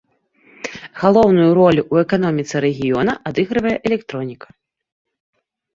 Галоўную ролю ў эканоміцы рэгіёна адыгрывае электроніка.